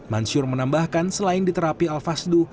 mansyur menambahkan selain diterapi al fasdu